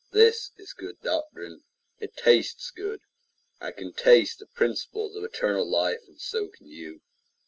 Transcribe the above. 10 This is good doctrine. It tastes good. I can taste the principles of eternal life, and so can you.